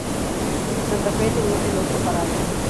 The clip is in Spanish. Santa Fe; Teniente Loza; Parada.